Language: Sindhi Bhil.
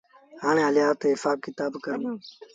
هآڻي هليآ تا هسآب ڪتآب ڪرون